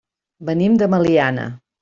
Venim de Meliana.